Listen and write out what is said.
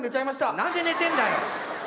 何で寝てんだよ！